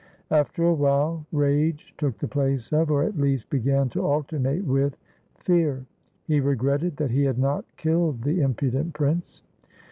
After a while rage took the place of, or at least began to alternate with, fear. He regretted that he had not killed the impudent prince.